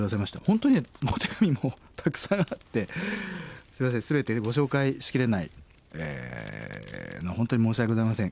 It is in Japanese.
本当にねお手紙もたくさんあってすいません全てご紹介しきれない本当に申し訳ございません。